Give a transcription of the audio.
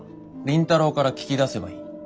倫太郎から聞き出せばいい。